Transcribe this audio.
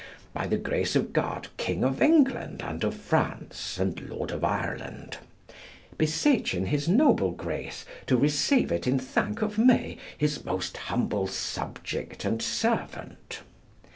by the grace of God King of England and of France, and lord of Ireland; beseeching his noble Grace to receive it in thank of me his most humble subject and servant.